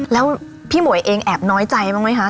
แล้วพี่หมวยเองแอบน้อยใจบ้างไหมคะ